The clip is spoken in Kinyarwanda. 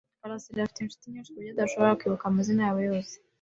karasira afite inshuti nyinshi kuburyo adashobora kwibuka amazina yabo yose.